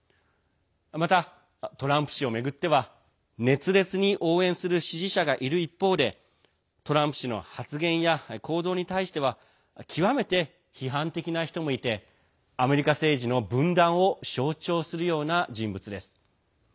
また、トランプ氏を巡っては熱烈に応援する支持者がいる一方でトランプ氏の発言や行動に対しては極めて批判的な人もいてアメリカ政治の分断を象徴するような人物です。